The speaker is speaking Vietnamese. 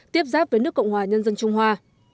tiếp giáp với nước cộng hòa nhân dân trung hoa